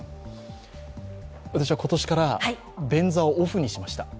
私は今年から便座をオフにしました。